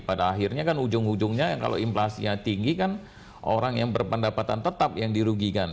pada akhirnya kan ujung ujungnya kalau inflasinya tinggi kan orang yang berpendapatan tetap yang dirugikan